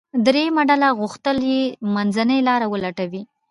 درېیمه ډله غوښتل یې منځنۍ لاره ولټوي.